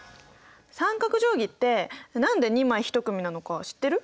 三角定規って何で２枚一組なのか知ってる？